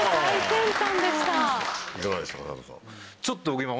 ちょっと僕